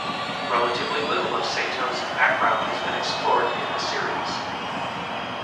Relatively little of Sato's background has been explored in the series.